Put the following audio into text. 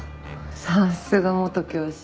さすが元教師。